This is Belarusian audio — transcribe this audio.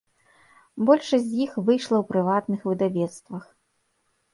Большасць з іх выйшла ў прыватных выдавецтвах.